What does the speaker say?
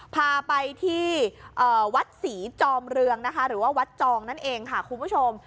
พาไปที่วัดศรีจอมเรืองนะคะหรือว่าวัดจองนั่นเองค่ะคุณผู้ชม